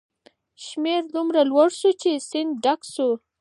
شمیر دومره لوړ شو چې سیند ډک شو.